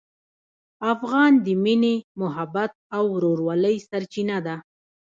افغان د مینې، محبت او ورورولۍ سرچینه ده.